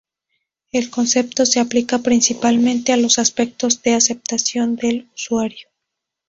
El concepto se aplica principalmente a los aspectos de aceptación del usuario.